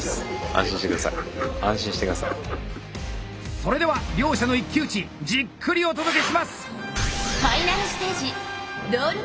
それでは両者の一騎打ちじっくりお届けします！